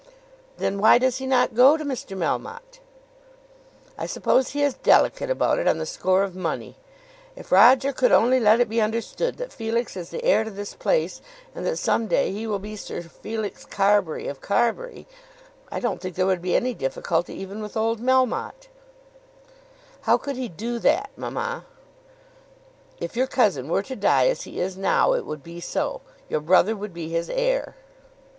"Then why does he not go to Mr. Melmotte?" "I suppose he is delicate about it on the score of money. If Roger could only let it be understood that Felix is the heir to this place, and that some day he will be Sir Felix Carbury of Carbury, I don't think there would be any difficulty even with old Melmotte." "How could he do that, mamma?" "If your cousin were to die as he is now, it would be so. Your brother would be his heir."